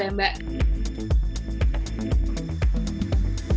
jadi kita bisa menambah